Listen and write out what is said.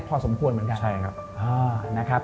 พอสมควรเหมือนกัน